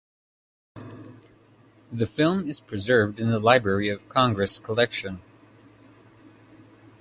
The film is preserved in the Library of Congress collection.